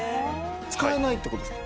使えないってことですか？